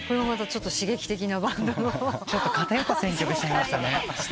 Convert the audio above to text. ちょっと偏った選曲しちゃいましたね。